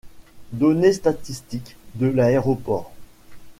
Données statistiques de l'aéroport.